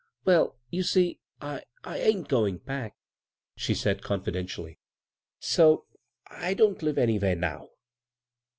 "Well, you see, I — I ain't going back," she said confidentially, " so I don't live any where now."